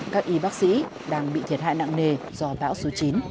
các y bác sĩ đang bị thiệt hại nặng nề do bão số chín